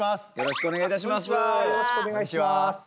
お願いします。